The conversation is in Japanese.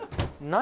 何？